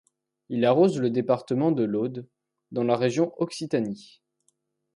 Il arrose le département de l'l'Aude, dans la région Occitanie.